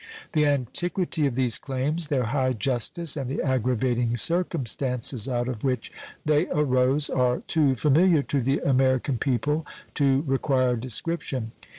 The antiquity of these claims, their high justice, and the aggravating circumstances out of which they arose are too familiar to the American people to require description.